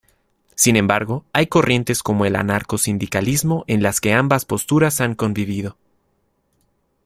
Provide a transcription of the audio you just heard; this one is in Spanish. Sin embargo, hay corrientes como el anarcosindicalismo en las que ambas posturas han convivido.